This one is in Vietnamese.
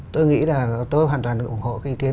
tôi nghĩ là tôi hoàn toàn ủng hộ cái ý kiến